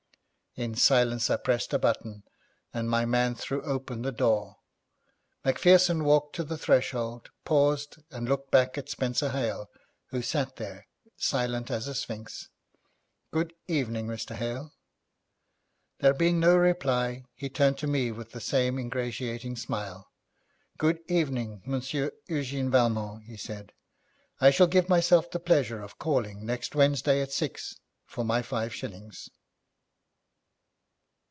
In silence I pressed a button, and my man threw open the door. Macpherson walked to the threshold, paused, and looked back at Spenser Hale, who sat there silent as a sphinx. 'Good evening, Mr. Hale.' There being no reply, he turned to me with the same ingratiating smile, 'Good evening, Monsieur Eugène Valmont,' he said, 'I shall give myself the pleasure of calling next Wednesday at six for my five shillings.'